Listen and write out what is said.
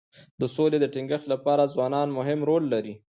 د سولې د ټینګښت لپاره ځوانان مهم رول لري.